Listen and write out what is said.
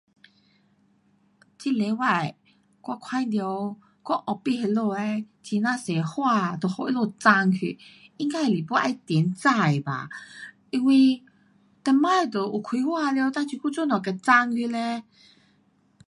这礼拜我看到我 office 那里的很呐多花，都给他们砍去，应该是还有重种吧。因为以前都有开花了，哒这久做么给砍去嘞？